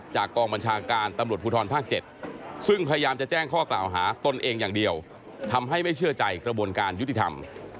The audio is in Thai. กองบัญชาการตำรวจภูทรภาค๗ซึ่งพยายามจะแจ้งข้อกล่าวหาตนเองอย่างเดียวทำให้ไม่เชื่อใจกระบวนการยุติธรรม